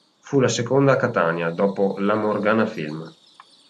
Fu la seconda a Catania, dopo la Morgana Film.